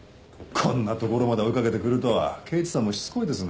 こんな所まで追い掛けてくるとは刑事さんもしつこいですね。